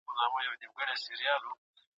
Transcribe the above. منفي فکر پرمختګ ټکنی کوي.